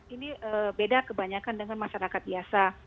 ini beda kebanyakan dengan masyarakat biasa